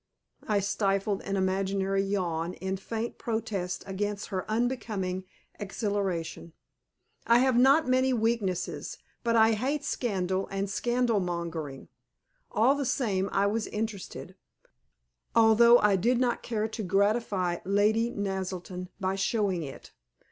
I stifled an imaginary yawn in faint protest against her unbecoming exhilaration. I have not many weaknesses, but I hate scandal and scandal mongering. All the same I was interested, although I did not care to gratify Lady Naselton by showing it.